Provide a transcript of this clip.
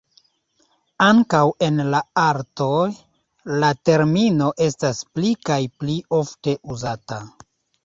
Ankaŭ en la artoj, la termino estas pli kaj pli ofte uzata.